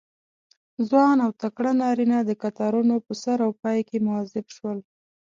ځوان او تکړه نارینه د کتارونو په سر او پای کې موظف شول.